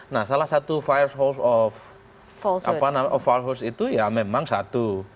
nah salah satu fire host of falsehouse itu ya memang satu